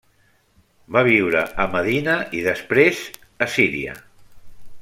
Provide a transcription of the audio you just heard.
Va viure a Medina i després a Síria.